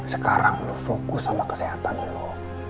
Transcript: sekarang lo fokus sama kesehatan lo